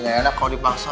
nggak enak kalo dipaksa